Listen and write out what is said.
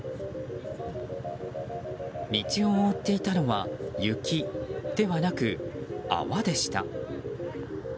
道を覆っていたのは雪ではなく泡でした。